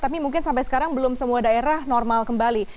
tapi mungkin sampai sekarang belum semua daerah normal kembali